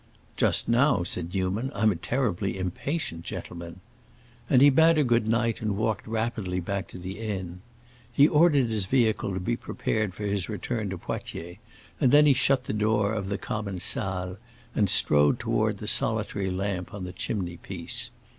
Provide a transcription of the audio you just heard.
"Just now," said Newman, "I'm a terribly impatient gentleman!" And he bade her good night and walked rapidly back to the inn. He ordered his vehicle to be prepared for his return to Poitiers, and then he shut the door of the common salle and strode toward the solitary lamp on the chimney piece.